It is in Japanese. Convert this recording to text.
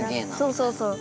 そうそうそう。